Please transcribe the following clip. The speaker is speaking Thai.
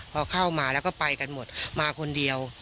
พอเข้ามาแล้วก็ไปกันหมดมาคนเดียว